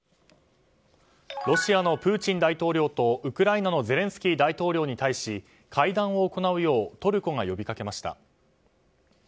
ロシアのプーチン大統領とウクライナのゼレンスキー大統領に対し会談を行うようトルコが呼びかけました。